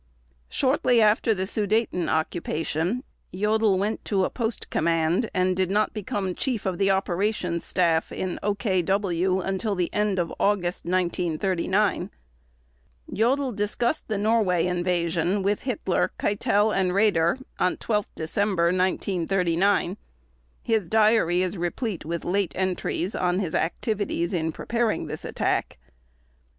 Shortly after the Sudeten occupation, Jodl went to a post command and did not become Chief of the Operations Staff in OKW until the end of August 1939. Jodl discussed the Norway invasion with Hitler, Keitel, and Raeder on 12 December 1939; his diary is replete with late entries on his activities in preparing this attack.